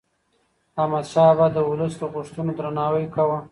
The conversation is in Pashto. احمدشاه بابا د ولس د غوښتنو درناوی کاوه.